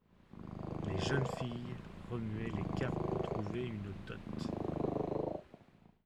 Les jeunes filles remuaient les cartes pour trouver une dot.